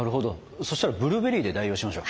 そしたらブルーベリーで代用しましょう。